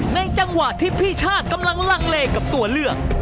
จังหวะที่พี่ชาติกำลังลังเลกับตัวเลือก